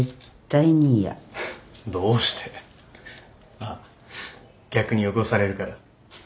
あっ逆に汚されるから？